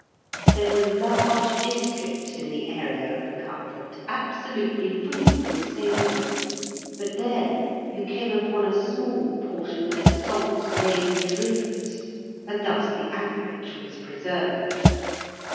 There were large districts in the area of the cutlet absolutely free from savouring. But then you came upon a small portion where the salt lay in drifts, and thus the average was preserved.